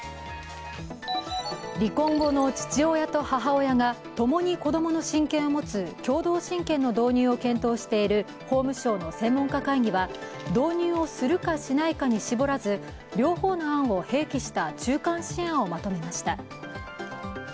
離婚後の父親と母親がともに子供の親権を持つ共同親権の導入を検討している法務省の専門家会議は導入をするかしないかに絞らず、両方の案を併記した中間試案をまとめました。